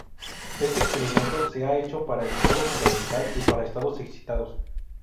Este experimento se ha hecho para el estado fundamental y para estados excitados.